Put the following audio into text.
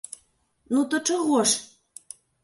Ну, то чаго ж!